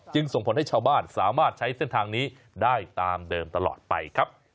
ส่งผลให้ชาวบ้านสามารถใช้เส้นทางนี้ได้ตามเดิมตลอดไปครับ